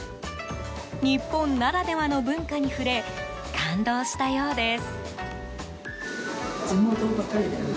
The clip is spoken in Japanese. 日本ならではの文化に触れ感動したようです。